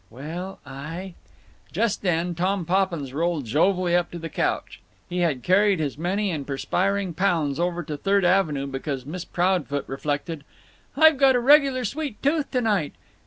"Well, I—" Just then Tom Poppins rolled jovially up to the couch. He had carried his many and perspiring pounds over to Third Avenue because Miss Proudfoot reflected, "I've got a regular sweet tooth to night."